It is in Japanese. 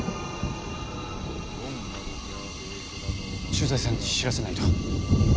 駐在さんに知らせないと。